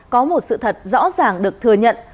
có một sự thật rõ ràng được thừa nhận